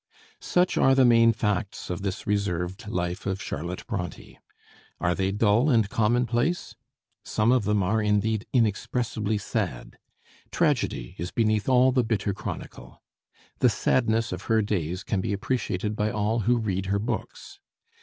Such are the main facts of this reserved life of Charlotte Bronté. Are they dull and commonplace? Some of them are indeed inexpressibly sad. Tragedy is beneath all the bitter chronicle. The sadness of her days can be appreciated by all who read her books.